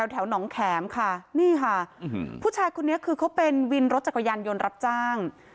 แถวหนองแขมค่ะนี่ค่ะผู้ชายคนนี้คือเขาเป็นวินรถจักรยานยนต์รับจ้าง